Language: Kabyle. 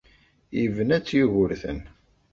Yebna-tt Yugurten.